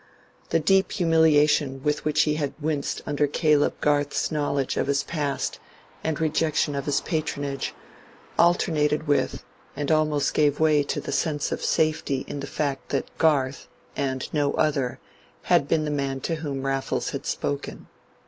The deep humiliation with which he had winced under Caleb Garth's knowledge of his past and rejection of his patronage, alternated with and almost gave way to the sense of safety in the fact that Garth, and no other, had been the man to whom Raffles had spoken.